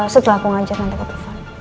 setelah aku ngajar nanti ke depan